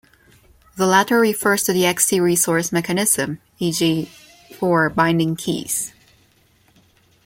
The latter refers to the Xt resource mechanism, e.g., for binding keys.